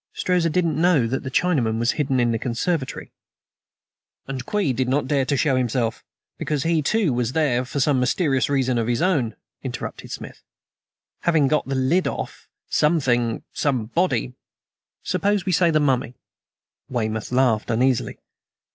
Strozza didn't know that the Chinaman was hidden in the conservatory " "And Kwee did not dare to show himself, because he too was there for some mysterious reason of his own," interrupted Smith. "Having got the lid off, something, somebody " "Suppose we say the mummy?" Weymouth laughed uneasily.